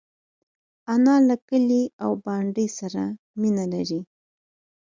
انا له کلي او بانډې سره مینه لري